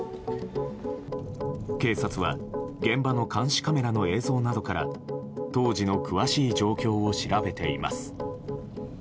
警察は、現場の監視カメラの映像などから当時の詳しい状況を調べています。